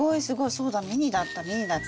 そうだミニだったミニだった。